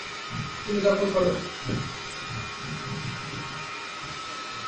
তিনি দখল করেন।